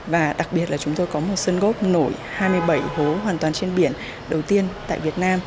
và đặc biệt là chúng tôi có một sân gốc nổi hai mươi bảy hố hoàn toàn trên biển đầu tiên tại việt nam